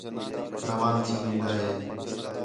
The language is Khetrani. روان تھی وین٘دا ہِے